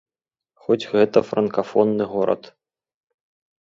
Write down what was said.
Хоць гэта франкафонны горад.